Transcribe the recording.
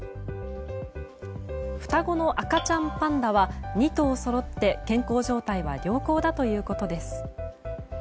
双子の赤ちゃんパンダは２頭そろって健康状態は良好だということです。